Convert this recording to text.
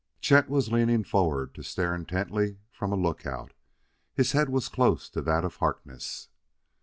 Chet was leaning forward to stare intently from a lookout, his head was close to that of Harkness.